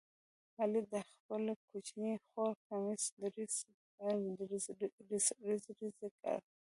علي د خپلې کوچنۍ خور کمیس ریخې ریخې کړ.